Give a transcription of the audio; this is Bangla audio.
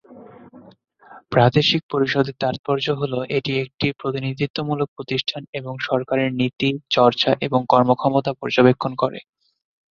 প্রাদেশিক পরিষদের তাৎপর্য হল এটি একটি প্রতিনিধিত্বমূলক প্রতিষ্ঠান এবং সরকারের নীতি, চর্চা এবং কর্মক্ষমতা পর্যবেক্ষণ করে।